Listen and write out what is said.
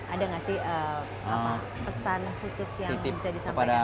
ada nggak sih pesan khusus yang bisa disampaikan